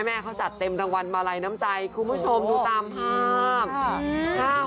แม่เขาจัดเต็มรางวัลมาลัยน้ำใจคุณผู้ชมดูตามภาพ